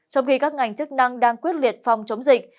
trong khi các ngành chức năng đang quyết liệt phòng chống dịch